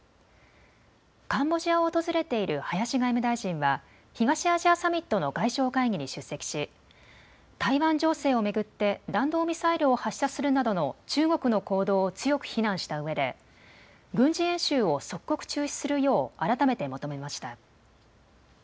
カンボジアを訪れている林外務大臣は東アジアサミットの外相会議に出席し、台湾情勢を巡って弾道ミサイルを発射するなどの中国の行動を強く非難したうえで、軍事演習を即刻中止するよう改めて求めました。